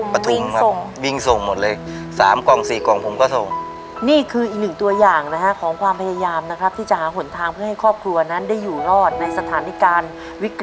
ปฐมวิ่งส่งวิ่งส่งหมดเลยสามกล่องสี่กล่องผมก็ส่ง